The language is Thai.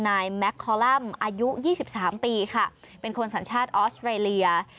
นายแมคคอลัมอายุ๒๓ปีเป็นคนสัญชาติออสเตอร์เรลีย